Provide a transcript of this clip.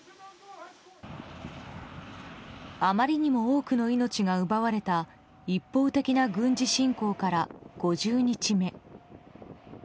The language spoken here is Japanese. あまりにも多くの命が奪われた一方的な軍事侵攻から５０日目。